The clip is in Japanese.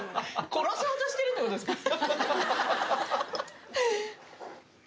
殺そうとしてるってことですか？